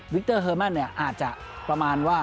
เตอร์เอร์แมนเนี่ยอาจจะประมาณว่า